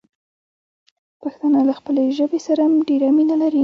پښتانه له خپلې ژبې سره ډېره مينه لري.